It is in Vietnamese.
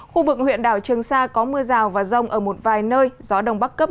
khu vực huyện đảo trường sa có mưa rào và rông ở một vài nơi gió đông bắc cấp năm